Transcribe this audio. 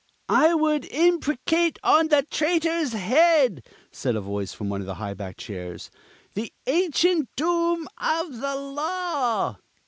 "I would imprecate on the traitor's head," said a voice from one of the high backed chairs, "the ancient doom of the Law!"